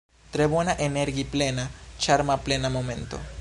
Tre bona energi-plena ĉarma plena momento